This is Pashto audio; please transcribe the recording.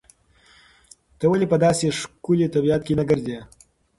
ته ولې په داسې ښکلي طبیعت کې نه ګرځې؟